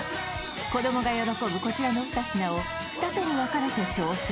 子供が喜ぶこちらの２品を二手に分かれて挑戦！